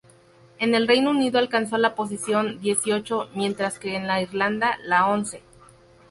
En el Reino Unido alcanzó la posición dieciocho, mientras que en Irlanda la once.